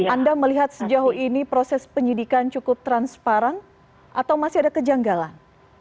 anda melihat sejauh ini proses penyidikan cukup transparan atau masih ada kejanggalan